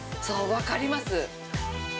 分かります。